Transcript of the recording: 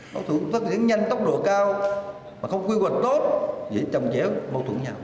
phát triển nhanh tốc độ cao không quy hoạch tốt chỉ trồng chéo mâu thuẫn nhau